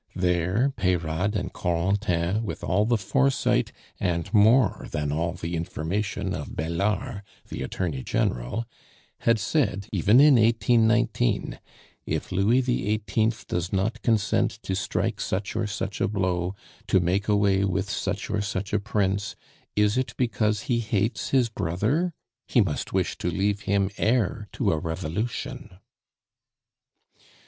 There Peyrade and Corentin, with all the foresight, and more than all the information of Bellart, the Attorney General, had said even in 1819: "If Louis XVIII. does not consent to strike such or such a blow, to make away with such or such a prince, is it because he hates his brother? He must wish to leave him heir to a revolution."